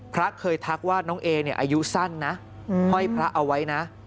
พระเคยทักว่าน้องเอเนี่ยอายุสั้นนะห้อยพระเอาไว้นะ